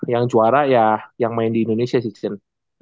yang juara ya yang main di indonesia season